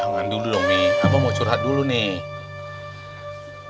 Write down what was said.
jangan dulu dong nih apa mau curhat dulu nih